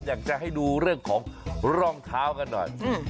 อยากจะให้ดูเรื่องของรองเท้ากันหน่อย